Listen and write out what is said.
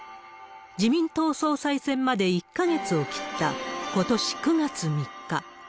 自民党総裁選まで１か月を切ったことし９月３日。